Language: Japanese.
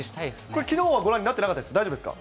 これきのうはご覧になってなかったですか？